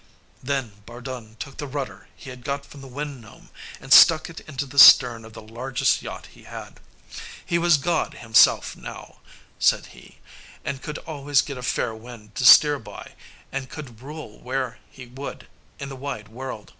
Then Bardun took the rudder he had got from the Wind Gnome, and stuck it into the stern of the largest yacht he had. He was God himself now, said he, and could always get a fair wind to steer by, and could rule where he would in the wide world.